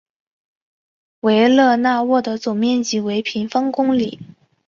维勒讷沃的总面积为平方公里。